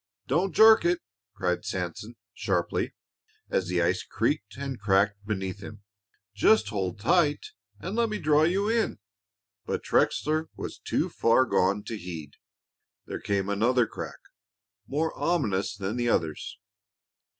"Don't jerk it!" cried Sanson, sharply, as the ice creaked and cracked beneath him. "Just hold tight and let me draw you in." But Trexler was too far gone to heed. There came another crack more ominous than the others.